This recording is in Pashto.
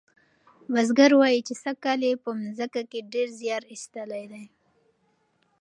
بزګر وایي چې سږکال یې په مځکه کې ډیر زیار ایستلی دی.